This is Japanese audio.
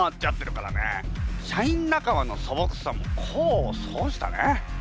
社員仲間のそぼくさも功を奏したね。